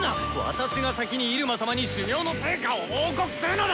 私が先にイルマ様に修業の成果を報告するのだ！